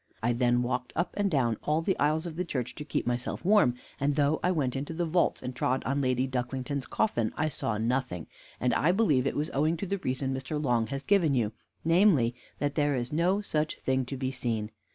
I then walked up and down all the aisles of the church to keep myself warm; and though I went into the vaults, and trod on Lady Ducklington's coffin, I saw nothing, and I believe it was owing to the reason Mr. Long has given you, namely, that there is no such thing to be seen.